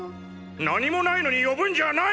何もないのに呼ぶんじゃあない！